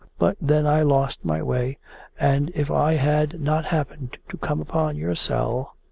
But then I lost my way, and if I had not happened to come upon your cell...